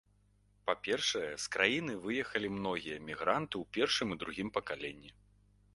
Па-першае, з краіны выехалі многія мігранты ў першым і другім пакаленні.